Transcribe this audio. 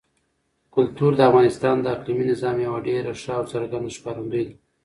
کلتور د افغانستان د اقلیمي نظام یوه ډېره ښه او څرګنده ښکارندوی ده.